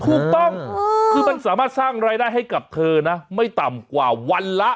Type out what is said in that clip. ถูกต้องคือมันสามารถสร้างรายได้ให้กับเธอนะไม่ต่ำกว่าวันละ